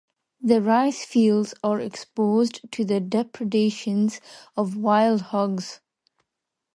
The rice-fields are exposed to the depredations of wild hogs.